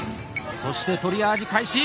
そしてトリアージ開始！